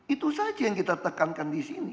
itu saja yang kita tekankan disini